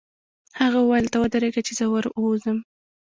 هغه وویل: ته ودرېږه چې زه ور ووځم.